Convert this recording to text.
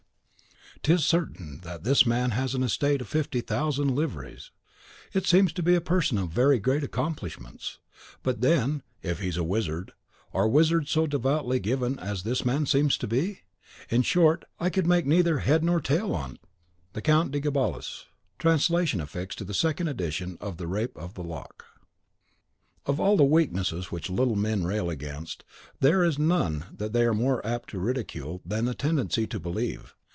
CHAPTER 2.VI. 'Tis certain that this man has an estate of fifty thousand livres, and seems to be a person of very great accomplishments. But, then, if he's a wizard, are wizards so devoutly given as this man seems to be? In short, I could make neither head nor tail on't The Count de Gabalis, Translation affixed to the second edition of the "Rape of the Lock." Of all the weaknesses which little men rail against, there is none that they are more apt to ridicule than the tendency to believe.